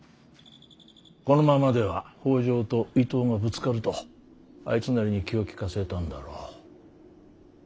このままでは北条と伊東がぶつかるとあいつなりに気を利かせたんだろう。